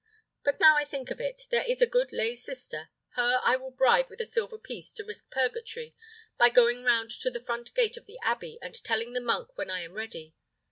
But now I think of it, there is a good lay sister; her I will bribe with a silver piece to risk purgatory by going round to the front gate of the abbey, and telling the monk when I am ready.